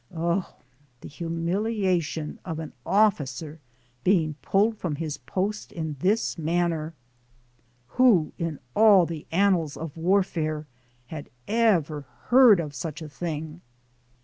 0, the humiliation of an officer being pulled from his post in this manner! Who in all the an nals of warfare had ever heard of such a thing?